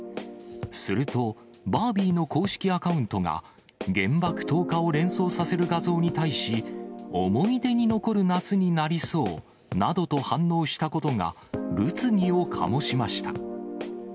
すると、バービーの公式アカウントが、原爆投下を連想させる画像に対し、思い出に残る夏になりそうなどと反応したことが、物議を醸しました。